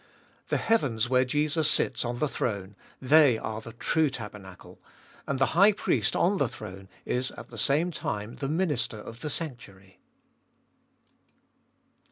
The heavens where Jesus sits on the throne, they are the true tabernacle; and the High Priest on the throne is at the same time the Minister of the sanctuary.